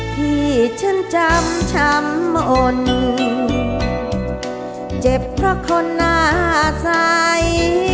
ที่ฉันจำช้ำอ่อนเจ็บเพราะคนหน้าใส